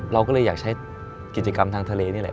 เราก็เลยอยากใช้กิจกรรมทางทะเลนี่แหละ